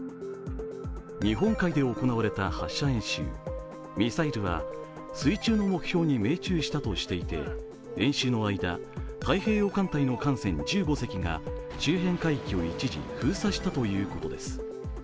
日本海で行われた発射演習、ミサイルは水中の目標に命中したとしていて演習の間太平洋艦隊の艦船１５隻が周辺海域を一時、封鎖したということです。